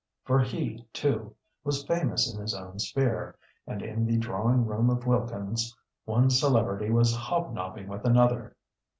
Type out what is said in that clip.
For he, too, was famous in his own sphere; and in the drawing room of Wilkins's one celebrity was hobnobbing with another!